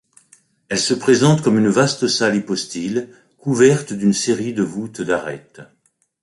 Elle se présente comme une vaste salle hypostyle, couverte d'une série de voûtes d'arêtes.